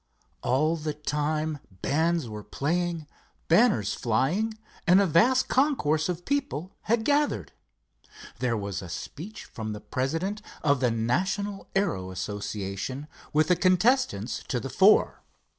All the time bands were playing, banners flying, and a vast concourse of people had gathered. There was a speech from the president of the National Aero Association, with the contestants to the fore.